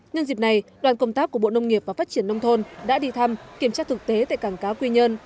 nhân dịp này đoàn công tác của bộ nông nghiệp và phát triển nông thôn đã đi thăm kiểm tra thực tế tại cảng cá quy nhơn